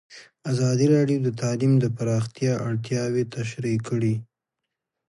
ازادي راډیو د تعلیم د پراختیا اړتیاوې تشریح کړي.